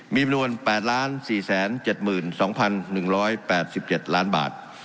มีจำนวน๘๔๗๒๑๘๗ล้านบาท